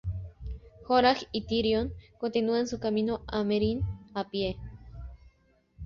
Jorah y Tyrion continúan su camino a Meereen a pie.